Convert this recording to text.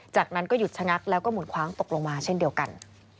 จากนั้นก็หยุดชะงักแล้วก็หมุนคว้างตกลงมาเช่นเดียวกัน